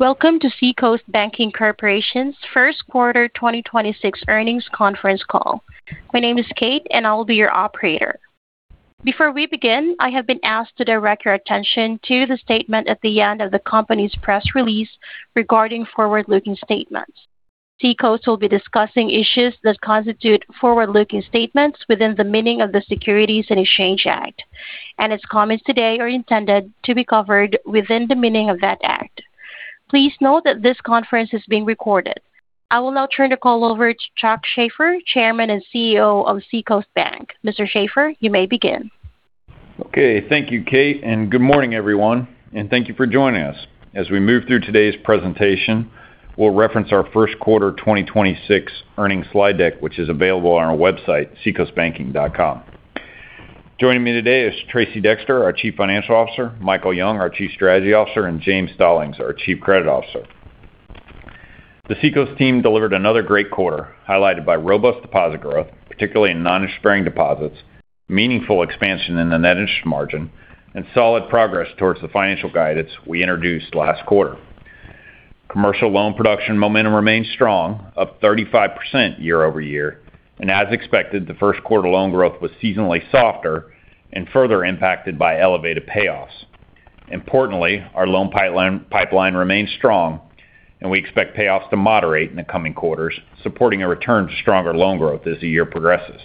Welcome to Seacoast Banking Corporation's First Quarter 2026 Earnings Conference Call. My name is Kate, and I will be your operator. Before we begin, I have been asked to direct your attention to the statement at the end of the company's press release regarding forward-looking statements. Seacoast will be discussing issues that constitute forward-looking statements within the meaning of the Securities and Exchange Act, and its comments today are intended to be covered within the meaning of that act. Please note that this conference is being recorded. I will now turn the call over to Chuck Shaffer, Chairman and CEO of Seacoast Bank. Mr. Shaffer, you may begin. Okay. Thank you, Kate. Good morning, everyone, and thank you for joining us. As we move through today's presentation, we'll reference our first quarter 2026 earnings slide deck, which is available on our website, seacoastbanking.com. Joining me today is Tracey Dexter, our Chief Financial Officer, Michael Young, our Chief Strategy Officer, and James Stallings, our Chief Credit Officer. The Seacoast team delivered another great quarter, highlighted by robust deposit growth, particularly in non-interest-bearing deposits, meaningful expansion in the net interest margin, and solid progress towards the financial guidance we introduced last quarter. Commercial loan production momentum remains strong, up 35% year-over-year. As expected, the first quarter loan growth was seasonally softer and further impacted by elevated payoffs. Importantly, our loan pipeline remains strong, and we expect payoffs to moderate in the coming quarters, supporting a return to stronger loan growth as the year progresses.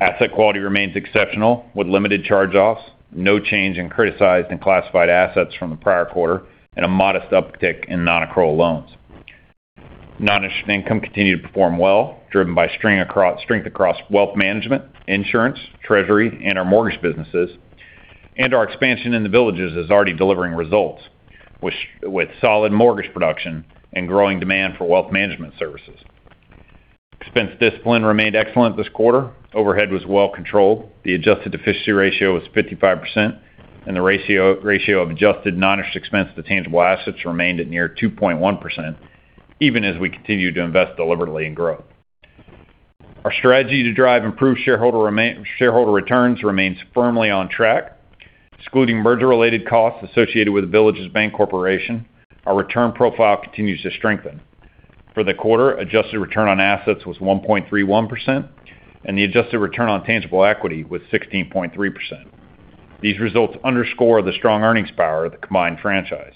Asset quality remains exceptional with limited charge-offs, no change in criticized and classified assets from the prior quarter, and a modest uptick in non-accrual loans. Non-interest income continued to perform well, driven by strength across wealth management, insurance, treasury, and our mortgage businesses. Our expansion in The Villages is already delivering results with solid mortgage production and growing demand for wealth management services. Expense discipline remained excellent this quarter. Overhead was well controlled. The adjusted efficiency ratio was 55%, and the ratio of adjusted non-interest expense to tangible assets remained at near 2.1%, even as we continue to invest deliberately in growth. Our strategy to drive improved shareholder returns remains firmly on track. Excluding merger-related costs associated with The Villages Bancorporation, Inc, our return profile continues to strengthen. For the quarter, adjusted return on assets was 1.31%, and the adjusted return on tangible equity was 16.3%. These results underscore the strong earnings power of the combined franchise.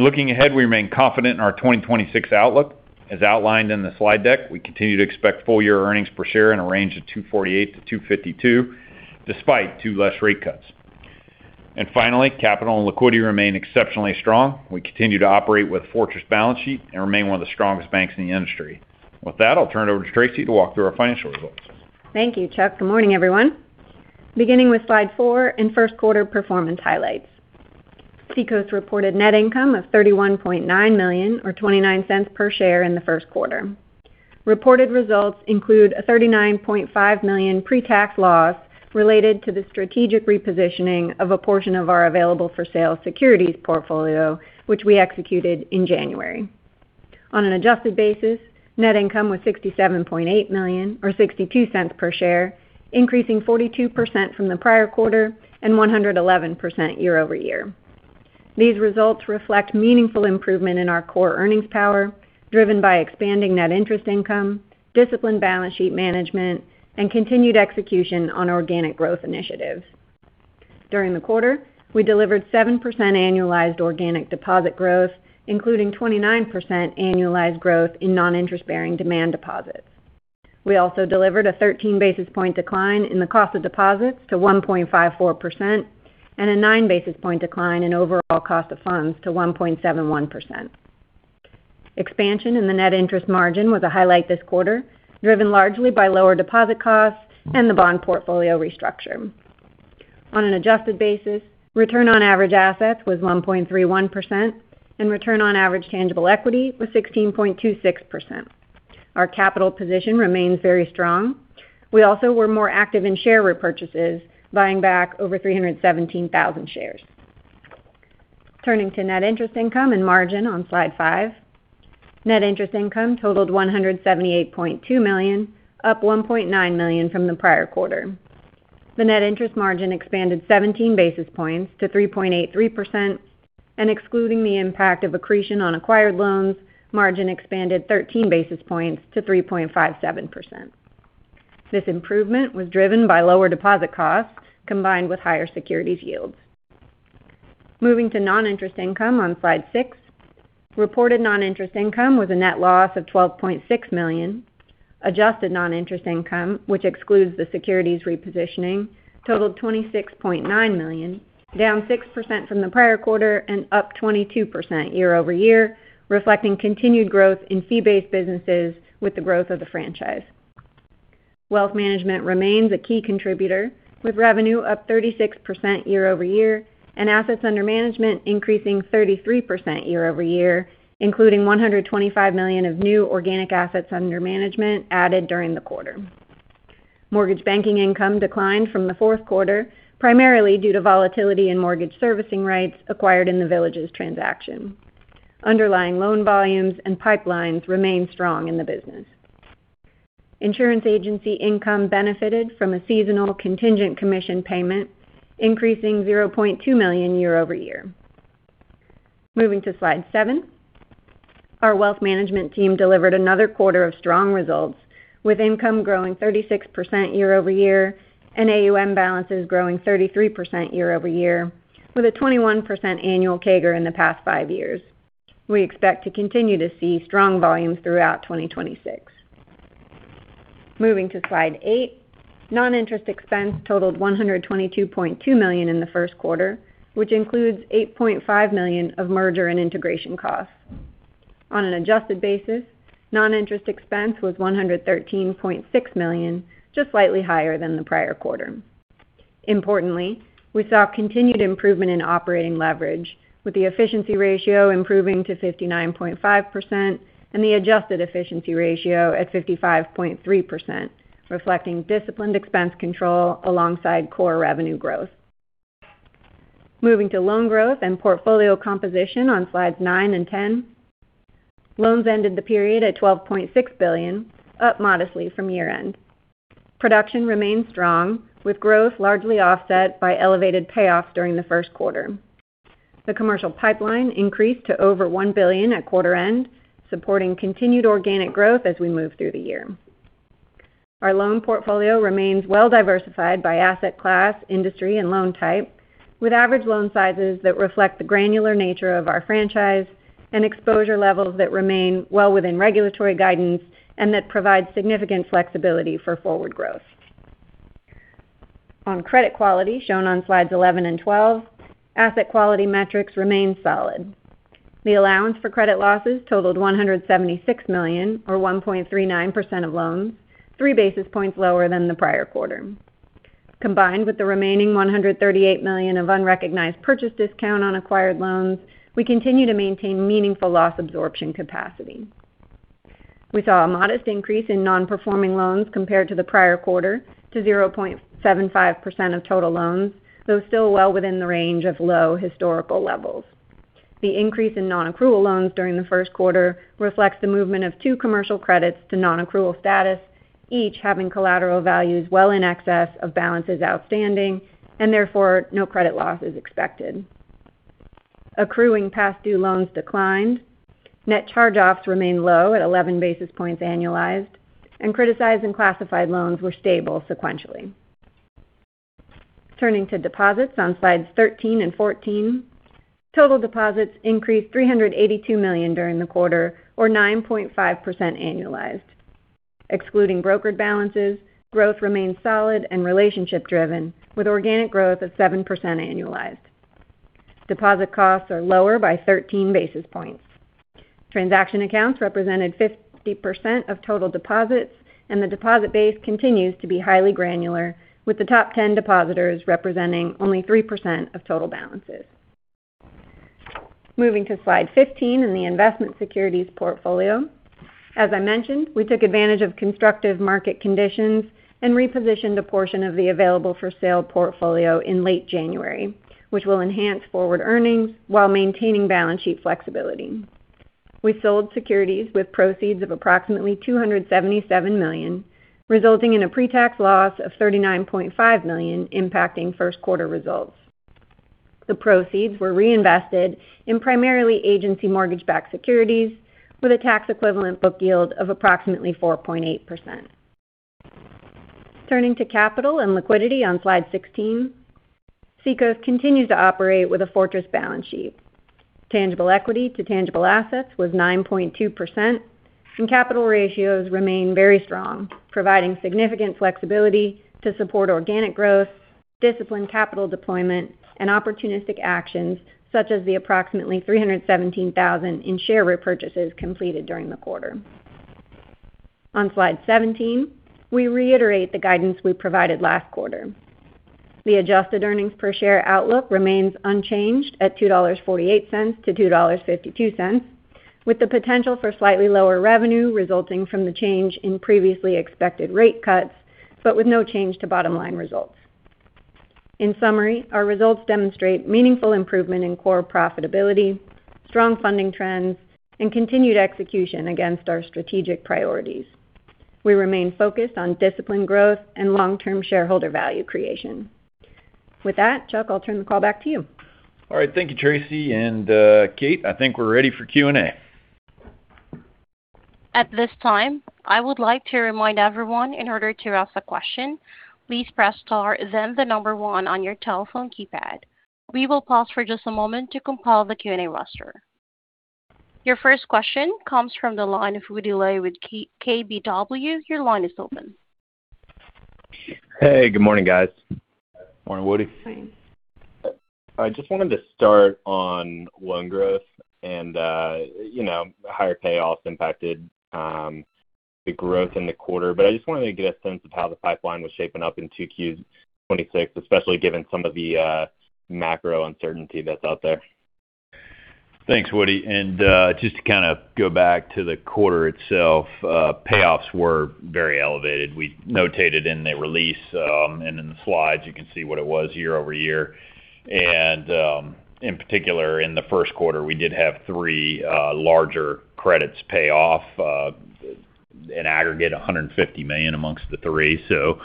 Looking ahead, we remain confident in our 2026 outlook. As outlined in the slide deck, we continue to expect full-year earnings per share in a range of $2.48-$2.52, despite 2 less rate cuts. Finally, capital and liquidity remain exceptionally strong. We continue to operate with fortress balance sheet and remain one of the strongest banks in the industry. With that, I'll turn it over to Tracey to walk through our financial results. Thank you, Chuck. Good morning, everyone. Beginning with slide four and first quarter performance highlights. Seacoast reported net income of $31.9 million or $0.29 per share in the first quarter. Reported results include a $39.5 million pre-tax loss related to the strategic repositioning of a portion of our available-for-sale securities portfolio, which we executed in January. On an adjusted basis, net income was $67.8 million or $0.62 per share, increasing 42% from the prior quarter and 111% year-over-year. These results reflect meaningful improvement in our core earnings power, driven by expanding net interest income, disciplined balance sheet management, and continued execution on organic growth initiatives. During the quarter, we delivered 7% annualized organic deposit growth, including 29% annualized growth in non-interest-bearing demand deposits. We also delivered a 13 basis point decline in the cost of deposits to 1.54% and a 9 basis point decline in overall cost of funds to 1.71%. Expansion in the net interest margin was a highlight this quarter, driven largely by lower deposit costs and the bond portfolio restructure. On an adjusted basis, return on average assets was 1.31% and return on average tangible equity was 16.26%. Our capital position remains very strong. We also were more active in share repurchases, buying back over 317,000 shares. Turning to net interest income and margin on slide five. Net interest income totaled $178.2 million, up $1.9 million from the prior quarter. The net interest margin expanded 17 basis points to 3.83%. Excluding the impact of accretion on acquired loans, margin expanded 13 basis points to 3.57%. This improvement was driven by lower deposit costs combined with higher securities yields. Moving to non-interest income on slide six. Reported non-interest income was a net loss of $12.6 million. Adjusted non-interest income, which excludes the securities repositioning, totaled $26.9 million, down 6% from the prior quarter and up 22% year-over-year, reflecting continued growth in fee-based businesses with the growth of the franchise. Wealth management remains a key contributor, with revenue up 36% year-over-year and assets under management increasing 33% year-over-year, including $125 million of new organic assets under management added during the quarter. Mortgage banking income declined from the fourth quarter, primarily due to volatility in mortgage servicing rights acquired in The Villages transaction. Underlying loan volumes and pipelines remain strong in the business. Insurance agency income benefited from a seasonal contingent commission payment, increasing $0.2 million year-over-year. Moving to slide seven. Our wealth management team delivered another quarter of strong results, with income growing 36% year-over-year and AUM balances growing 33% year-over-year with a 21% annual CAGR in the past five years. We expect to continue to see strong volumes throughout 2026. Moving to slide eight. Non-interest expense totaled $122.2 million in the first quarter, which includes $8.5 million of merger and integration costs. On an adjusted basis, non-interest expense was $113.6 million, just slightly higher than the prior quarter. Importantly, we saw continued improvement in operating leverage with the efficiency ratio improving to 59.5% and the adjusted efficiency ratio at 55.3%, reflecting disciplined expense control alongside core revenue growth. Moving to loan growth and portfolio composition on slides nine and 10. Loans ended the period at $12.6 billion, up modestly from year-end. Production remains strong, with growth largely offset by elevated payoffs during the first quarter. The commercial pipeline increased to over $1 billion at quarter end, supporting continued organic growth as we move through the year. Our loan portfolio remains well-diversified by asset class, industry and loan type, with average loan sizes that reflect the granular nature of our franchise and exposure levels that remain well within regulatory guidance and that provide significant flexibility for forward growth. On credit quality shown on slides 11 and 12, asset quality metrics remain solid. The allowance for credit losses totaled $176 million, or 1.39% of loans, 3 basis points lower than the prior quarter. Combined with the remaining $138 million of unrecognized purchase discount on acquired loans, we continue to maintain meaningful loss absorption capacity. We saw a modest increase in non-performing loans compared to the prior quarter to 0.75% of total loans, though still well within the range of low historical levels. The increase in non-accrual loans during the first quarter reflects the movement of two commercial credits to non-accrual status, each having collateral values well in excess of balances outstanding and therefore no credit loss is expected. Accruing past due loans declined. Net charge-offs remain low at 11 basis points annualized. Criticized and classified loans were stable sequentially. Turning to deposits on slides 13 and 14, total deposits increased $382 million during the quarter, or 9.5% annualized. Excluding brokered balances, growth remains solid and relationship driven, with organic growth of 7% annualized. Deposit costs are lower by 13 basis points. Transaction accounts represented 50% of total deposits. The deposit base continues to be highly granular, with the top 10 depositors representing only 3% of total balances. Moving to slide 15 in the investment securities portfolio. As I mentioned, we took advantage of constructive market conditions and repositioned a portion of the available for sale portfolio in late January, which will enhance forward earnings while maintaining balance sheet flexibility. We sold securities with proceeds of approximately $277 million, resulting in a pre-tax loss of $39.5 million impacting first quarter results. The proceeds were reinvested in primarily agency mortgage-backed securities with a tax equivalent book yield of approximately 4.8%. Turning to capital and liquidity on slide 16. Seacoast continues to operate with a fortress balance sheet. Tangible equity to tangible assets was 9.2% and capital ratios remain very strong, providing significant flexibility to support organic growth, disciplined capital deployment and opportunistic actions such as the approximately $317,000 in share repurchases completed during the quarter. On slide 17, we reiterate the guidance we provided last quarter. The adjusted earnings per share outlook remains unchanged at $2.48-$2.52, with the potential for slightly lower revenue resulting from the change in previously expected rate cuts, but with no change to bottom line results. In summary, our results demonstrate meaningful improvement in core profitability, strong funding trends and continued execution against our strategic priorities. We remain focused on disciplined growth and long-term shareholder value creation. With that, Chuck, I'll turn the call back to you. All right. Thank you, Tracey and Kate, I think we're ready for Q&A. At this time I would like to remind everyone in order to ask a question please press star then one on your telephone keypad. We will pause for just a moment to compile the Q&A roster. Your first question comes from the line of Woody Lay with KBW. Hey, good morning, guys. Morning, Woody. Morning. I just wanted to start on loan growth and, you know, higher payoffs impacted the growth in the quarter. I just wanted to get a sense of how the pipeline was shaping up in 2Q 2026, especially given some of the macro uncertainty that's out there. Thanks, Woody. Just to kind of go back to the quarter itself, payoffs were very elevated. We notated in the release, and in the slides you can see what it was year-over-year. In particular, in the first quarter, we did have three larger credits pay off. In aggregate, $150 million amongst the three. It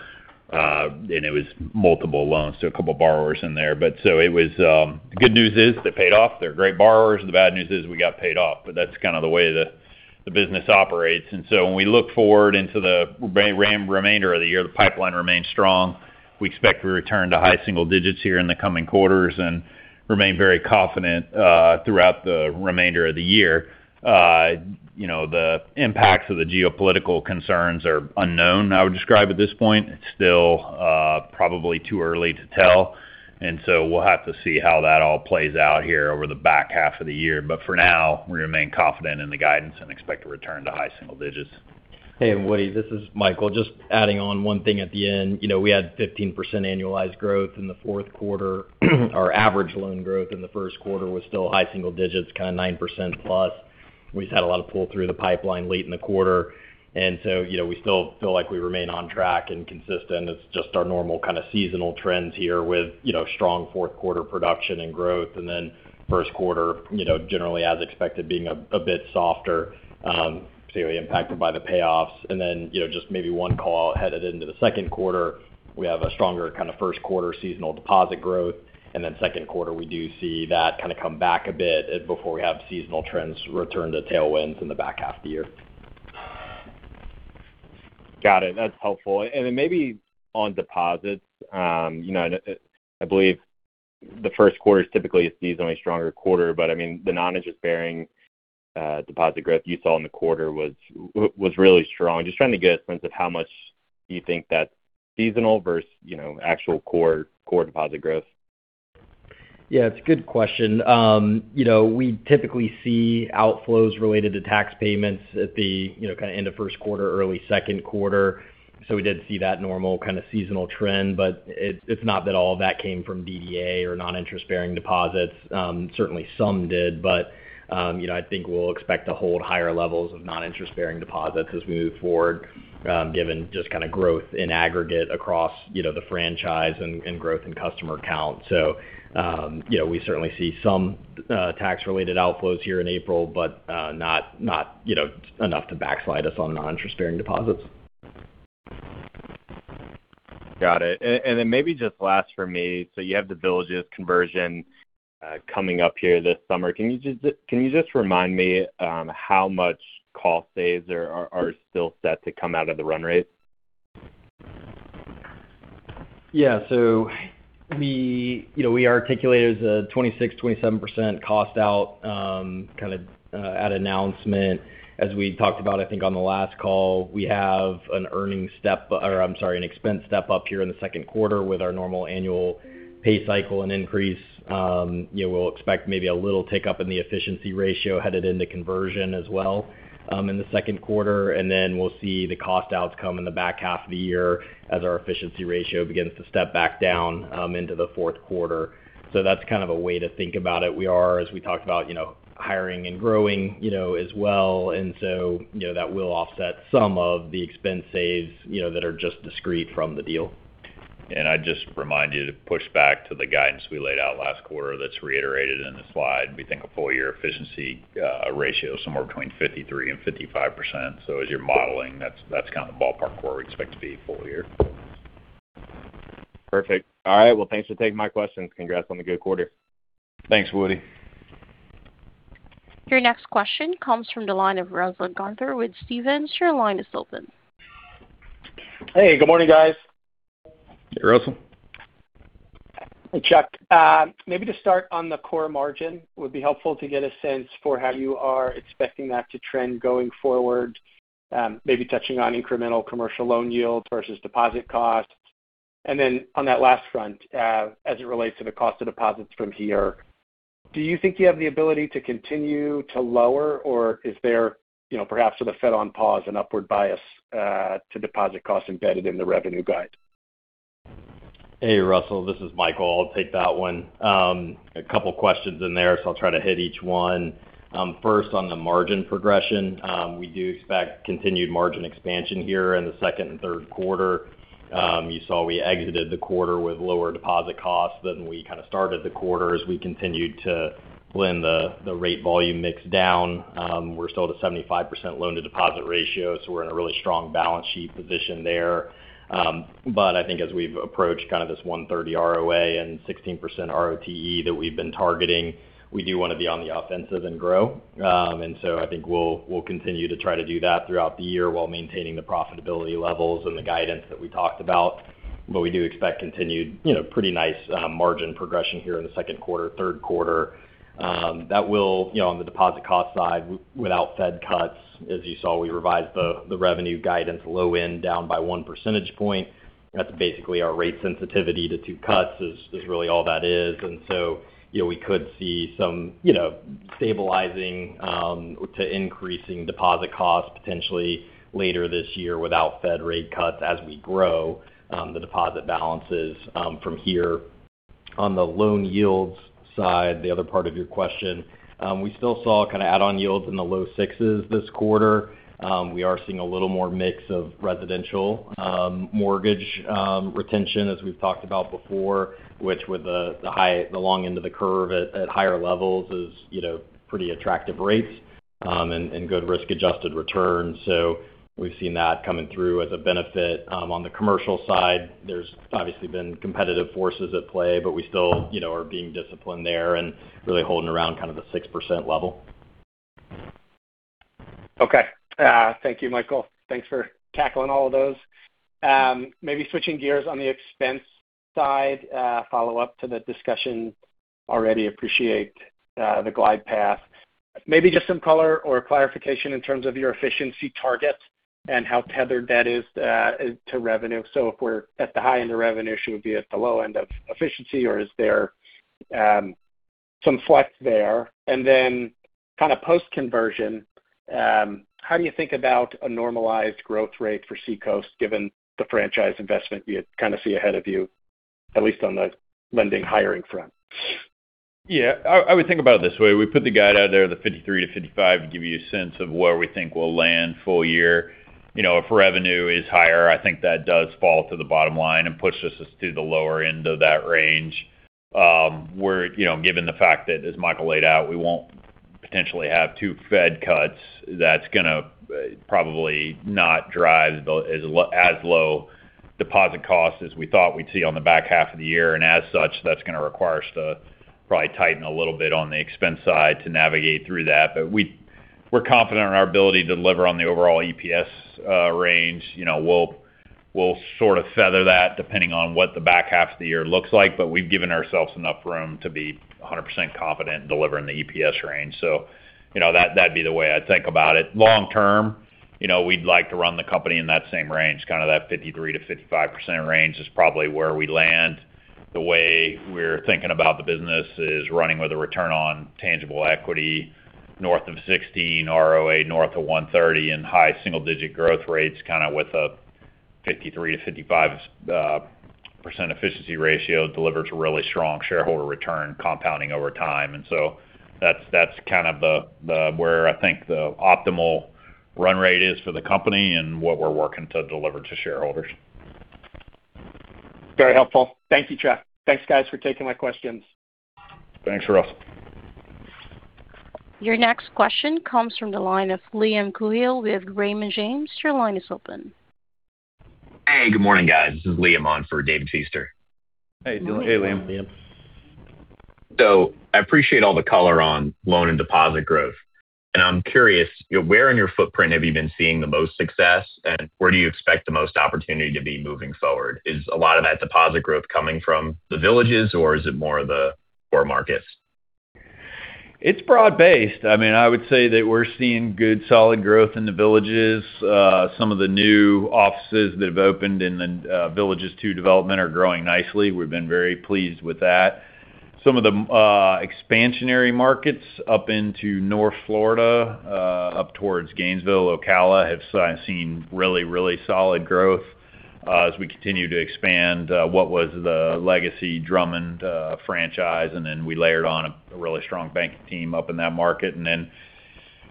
was multiple loans, so a couple borrowers in there. It was good news is they paid off. They're great borrowers, and the bad news is we got paid off. That's kind of the way the business operates. When we look forward into the remainder of the year, the pipeline remains strong. We expect to return to high single digits here in the coming quarters and remain very confident throughout the remainder of the year. You know, the impacts of the geopolitical concerns are unknown, I would describe at this point. It's still probably too early to tell, and so we'll have to see how that all plays out here over the back half of the year. For now, we remain confident in the guidance and expect to return to high single digits. Hey, Woody, this is Michael. Just adding on one thing at the end. You know, we had 15% annualized growth in the fourth quarter. Our average loan growth in the first quarter was still high single digits, kind of 9%+. We just had a lot of pull through the pipeline late in the quarter. You know, we still feel like we remain on track and consistent. It's just our normal kind of seasonal trends here with, you know, strong fourth quarter production and growth. First quarter, you know, generally as expected being a bit softer, clearly impacted by the payoffs. You know, just maybe one call headed into the second quarter. We have a stronger kind of first quarter seasonal deposit growth, and then second quarter, we do see that kind of come back a bit before we have seasonal trends return to tailwinds in the back half of the year. Got it. That's helpful. Maybe on deposits, you know, I believe the first quarter is typically a seasonally stronger quarter, but I mean, the non-interest-bearing deposit growth you saw in the quarter was really strong. Just trying to get a sense of how much you think that's seasonal versus, you know, actual core deposit growth. Yeah, it's a good question. You know, we typically see outflows related to tax payments at the end of first quarter, early second quarter. We did see that normal kind of seasonal trend, but it's not that all that came from DDA or non-interest-bearing deposits. Certainly some did. You know, I think we'll expect to hold higher levels of non-interest-bearing deposits as we move forward, given just kind of growth in aggregate across the franchise and growth in customer count. You know, we certainly see some tax-related outflows here in April, but not enough to backslide us on non-interest-bearing deposits. Got it. Maybe just last for me. You have The Villages' conversion coming up here this summer. Can you just remind me how much cost savings are still set to come out of the run rate? Yeah. You know, we articulated as a 26%-27% cost out, kind of, at announcement. As we talked about, I think on the last call, we have an expense step-up here in the second quarter with our normal annual pay cycle and increase. You know, we'll expect maybe a little tick up in the efficiency ratio headed into conversion as well, in the second quarter. We'll see the cost outs come in the back half of the year as our efficiency ratio begins to step back down, into the fourth quarter. That's kind of a way to think about it. We are, as we talked about, you know, hiring and growing, you know, as well. You know, that will offset some of the expense saves, you know, that are just discrete from the deal. I'd just remind you to push back to the guidance we laid out last quarter that's reiterated in the slide. We think a full year efficiency ratio somewhere between 53% and 55%. As you're modeling, that's kind of the ballpark where we expect to be full year. Perfect. All right. Well, thanks for taking my questions. Congrats on the good quarter. Thanks, Woody. Your next question comes from the line of Russell Gunther with Stephens. Your line is open. Hey, good morning, guys. Hey, Russell. Hey, Chuck. Maybe to start on the core margin, would be helpful to get a sense for how you are expecting that to trend going forward. Maybe touching on incremental commercial loan yield versus deposit cost. On that last front, as it relates to the cost of deposits from here, do you think you have the ability to continue to lower, or is there, you know, perhaps with the Fed on pause and upward bias to deposit costs embedded in the revenue guide? Hey, Russell, this is Michael. I'll take that one. A couple of questions in there, so I'll try to hit each one. First on the margin progression, we do expect continued margin expansion here in the second and third quarter. You saw we exited the quarter with lower deposit costs than we kind of started the quarter as we continued to lend the rate volume mix down. We're still at a 75% loan-to-deposit ratio, so we're in a really strong balance sheet position there. I think as we've approached kind of this 1.30 ROA and 16% ROTE that we've been targeting, we do wanna be on the offensive and grow. I think we'll continue to try to do that throughout the year while maintaining the profitability levels and the guidance that we talked about. We do expect continued, you know, pretty nice margin progression here in the second quarter, third quarter. That will you know, on the deposit cost side, without Fed cuts, as you saw, we revised the revenue guidance low end down by 1 percentage point. That's basically our rate sensitivity to 2 cuts is really all that is. We could see some, you know, stabilizing to increasing deposit costs potentially later this year without Fed rate cuts as we grow the deposit balances from here. On the loan yields side, the other part of your question, we still saw kinda add-on yields in the low sixes this quarter. We are seeing a little more mix of residential mortgage retention as we've talked about before, which with the long end of the curve at higher levels is, you know, pretty attractive rates. Good risk-adjusted returns. We've seen that coming through as a benefit. On the commercial side, there's obviously been competitive forces at play, but we still, you know, are being disciplined there and really holding around kind of the 6% level. Okay. Thank you, Michael. Thanks for tackling all of those. Maybe switching gears on the expense side, follow-up to the discussion. We already appreciate the glide path. Maybe just some color or clarification in terms of your efficiency target and how tethered that is to revenue. So if we're at the high end of revenue, should we be at the low end of efficiency, or is there some flex there? Then kind of post conversion, how do you think about a normalized growth rate for Seacoast given the franchise investment you kind of see ahead of you, at least on the lending and hiring front? Yeah. I would think about it this way. We put the guide out there, the $0.53-$0.55, to give you a sense of where we think we'll land full year. You know, if revenue is higher, I think that does fall to the bottom line and pushes us to the lower end of that range. We're, you know, given the fact that, as Michael laid out, we won't potentially have 2 Fed cuts, that's gonna probably not drive the as low deposit costs as we thought we'd see on the back half of the year. As such, that's gonna require us to probably tighten a little bit on the expense side to navigate through that. We're confident in our ability to deliver on the overall EPS range. You know, we'll sort of feather that depending on what the back half of the year looks like, but we've given ourselves enough room to be 100% confident in delivering the EPS range. You know, that'd be the way I'd think about it. Long term, you know, we'd like to run the company in that same range, kind of that 53%-55% range is probably where we land. The way we're thinking about the business is running with a return on tangible equity north of 16% ROA north of 1.30% and high single-digit growth rates, kind of with a 53%-55% efficiency ratio delivers really strong shareholder return compounding over time. That's kind of the where I think the optimal run rate is for the company and what we're working to deliver to shareholders. Very helpful. Thank you, Chuck. Thanks, guys, for taking my questions. Thanks, Russell. Your next question comes from the line of Liam Coohill with Raymond James. Your line is open. Hey, good morning, guys. This is Liam on for David Feaster. How you doing? Hey, Liam. I appreciate all the color on loan and deposit growth. I'm curious, where in your footprint have you been seeing the most success? Where do you expect the most opportunity to be moving forward? Is a lot of that deposit growth coming from The Villages or is it more the core markets? It's broad-based. I mean, I would say that we're seeing good solid growth in The Villages. Some of the new offices that have opened in The Villages II development are growing nicely. We've been very pleased with that. Some of the expansionary markets up into North Florida, up towards Gainesville, Ocala, have seen really solid growth, as we continue to expand what was the legacy Drummond franchise, and then we layered on a really strong banking team up in that market.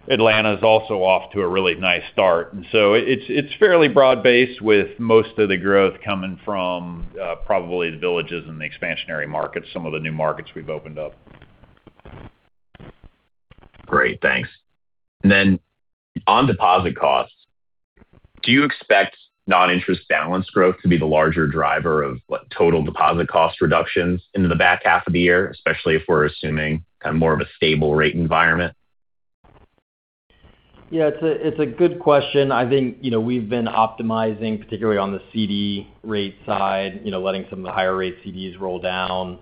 Atlanta is also off to a really nice start. It's fairly broad-based with most of the growth coming from probably The Villages and the expansionary markets, some of the new markets we've opened up. Great. Thanks. On deposit costs, do you expect non-interest balance growth to be the larger driver of what total deposit cost reductions into the back half of the year, especially if we're assuming kind of more of a stable rate environment? Yeah, it's a good question. I think, you know, we've been optimizing, particularly on the CD rate side, you know, letting some of the higher rate CDs roll down,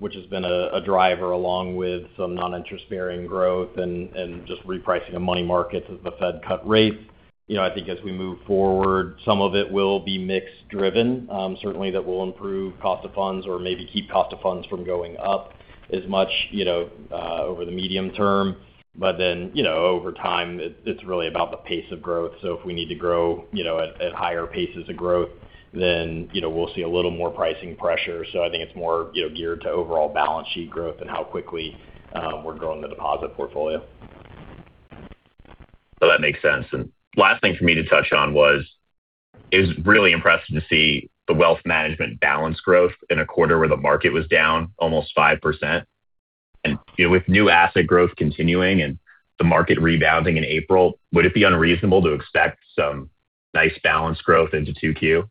which has been a driver along with some non-interest-bearing growth and just repricing of money markets as the Fed cut rates. You know, I think as we move forward, some of it will be mix-driven. Certainly that will improve cost of funds or maybe keep cost of funds from going up as much, you know, over the medium term. Then, you know, over time, it's really about the pace of growth. If we need to grow, you know, at higher paces of growth, then, you know, we'll see a little more pricing pressure. I think it's more, you know, geared to overall balance sheet growth and how quickly we're growing the deposit portfolio. That makes sense. Last thing for me to touch on was, it was really impressive to see the wealth management balance growth in a quarter where the market was down almost 5%. You know, with new asset growth continuing and the market rebounding in April, would it be unreasonable to expect some nice balance growth into 2Q?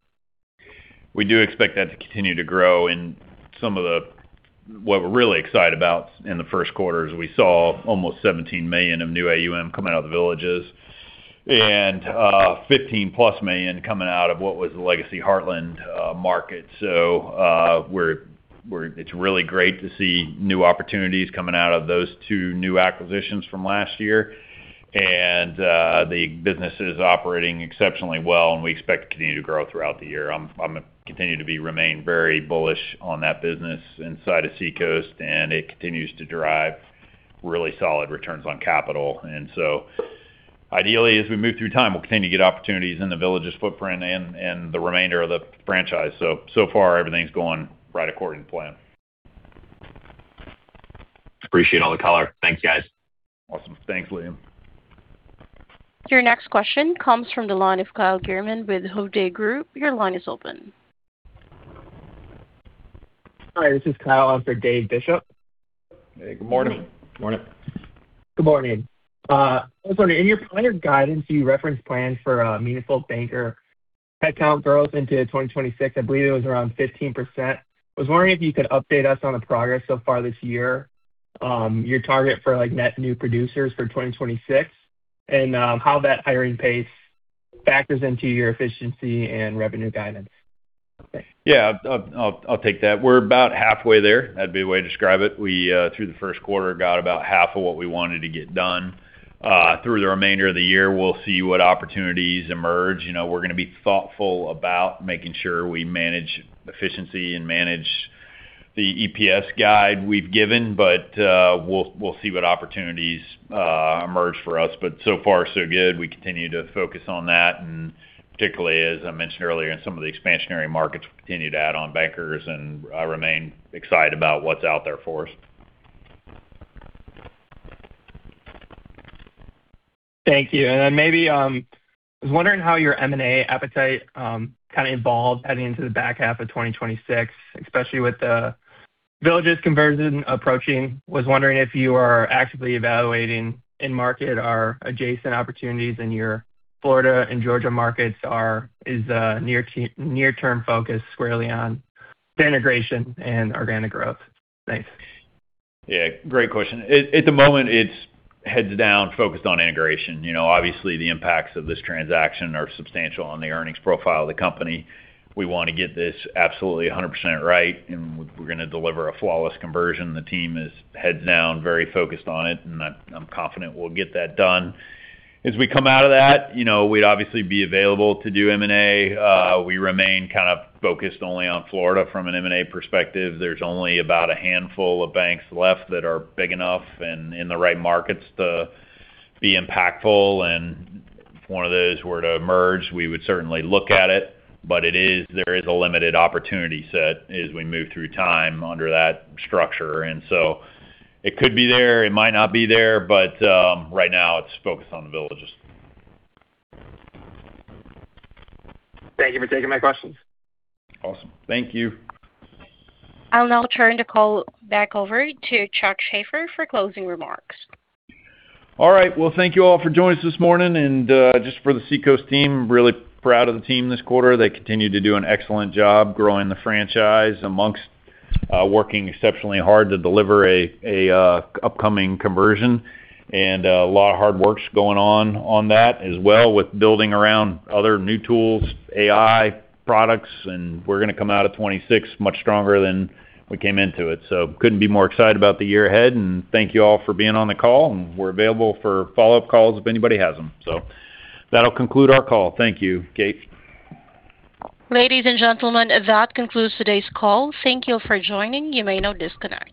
We do expect that to continue to grow. Some of what we're really excited about in the first quarter is we saw almost $17 million of new AUM coming out of The Villages and $15+ million coming out of what was the legacy Heartland market. It's really great to see new opportunities coming out of those two new acquisitions from last year. The business is operating exceptionally well, and we expect it to continue to grow throughout the year. I continue to remain very bullish on that business inside of Seacoast, and it continues to drive really solid returns on capital. Ideally, as we move through time, we'll continue to get opportunities in The Villages footprint and the remainder of the franchise. So far, everything's going right according to plan. Appreciate all the color. Thank you, guys. Awesome. Thanks, Liam. Your next question comes from the line of Kyle Gierman with Hovde Group. Your line is open. Hi, this is Kyle, on for David Bishop. Hey, good morning. Morning. Good morning. I was wondering, on your guidance, you referenced plans for a meaningful banker headcount growth into 2026. I believe it was around 15%. I was wondering if you could update us on the progress so far this year, your target for, like, net new producers for 2026 and, how that hiring pace factors into your efficiency and revenue guidance. Thanks. Yeah. I'll take that. We're about halfway there. That'd be a way to describe it. We, through the first quarter, got about half of what we wanted to get done. Through the remainder of the year, we'll see what opportunities emerge. You know, we're gonna be thoughtful about making sure we manage efficiency and manage the EPS guide we've given. We'll see what opportunities emerge for us. So far so good. We continue to focus on that, and particularly, as I mentioned earlier, in some of the expansionary markets, we continue to add on bankers, and I remain excited about what's out there for us. Thank you. Maybe I was wondering how your M&A appetite kind of evolved heading into the back half of 2026, especially with The Villages' conversion approaching. Was wondering if you are actively evaluating in-market or adjacent opportunities in your Florida and Georgia markets or is a near-term focus squarely on the integration and organic growth? Thanks. Yeah, great question. At the moment, it's heads down focused on integration. You know, obviously the impacts of this transaction are substantial on the earnings profile of the company. We want to get this absolutely 100% right, and we're gonna deliver a flawless conversion. The team is heads down, very focused on it, and I'm confident we'll get that done. As we come out of that, you know, we'd obviously be available to do M&A. We remain kind of focused only on Florida from an M&A perspective. There's only about a handful of banks left that are big enough and in the right markets to be impactful. If one of those were to emerge, we would certainly look at it. There is a limited opportunity set as we move through time under that structure. It could be there, it might not be there, but right now it's focused on The Villages. Thank you for taking my questions. Awesome. Thank you. I'll now turn the call back over to Chuck Shaffer for closing remarks. All right. Well, thank you all for joining us this morning. Just for the Seacoast team, really proud of the team this quarter. They continued to do an excellent job growing the franchise amongst working exceptionally hard to deliver a upcoming conversion. A lot of hard work's going on on that as well with building around other new tools, AI products, and we're gonna come out of 2026 much stronger than we came into it. Couldn't be more excited about the year ahead, and thank you all for being on the call, and we're available for follow-up calls if anybody has them. That'll conclude our call. Thank you. Kate? Ladies and gentlemen, that concludes today's call. Thank you for joining. You may now disconnect.